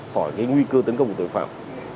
khỏi cái nguy cơ tấn công của tội phạm